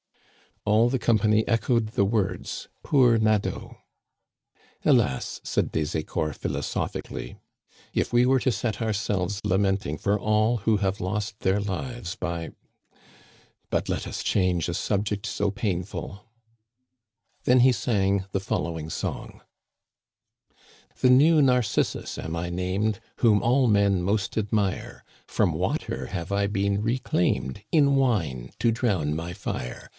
261 All the company echoed the words "Poor Na deau !"" Alas !" said Des Ecor philosophically, " if we were to set ourselves lamenting for all who have lost their lives by — But let us change a subject so painfuL" Then he sang the following song :" llie new Narcissus am I named» Whom all men most admire ; From water have I been reclaimed, In wine to drown my fire.